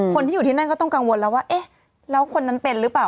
คนที่อยู่ที่นั่นก็ต้องกังวลแล้วว่าเอ๊ะแล้วคนนั้นเป็นหรือเปล่า